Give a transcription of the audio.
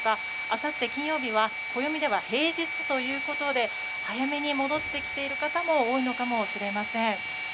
あさって金曜日は暦では平日ということで早めに戻ってきている方も多いのかもしれません。